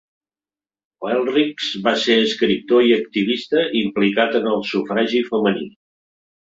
Oelrichs va ser escriptor i activista implicat en el sufragi femení.